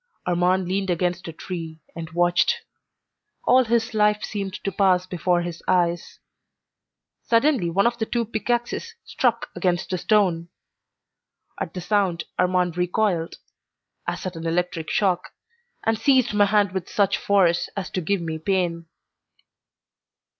Armand leaned against a tree and watched. All his life seemed to pass before his eyes. Suddenly one of the two pickaxes struck against a stone. At the sound Armand recoiled, as at an electric shock, and seized my hand with such force as to give me pain.